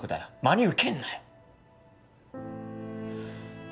真に受けんなよ